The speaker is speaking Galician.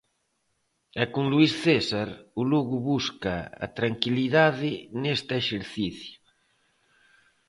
E con Luís César, o Lugo busca a tranquilidade neste exercicio.